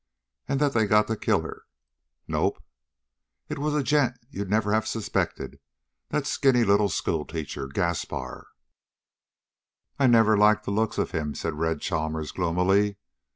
"And that they got the killer?" "Nope." "It was a gent you'd never have suspected that skinny little schoolteacher, Gaspar." "I never liked the looks of him," said Red Chalmers gloomily.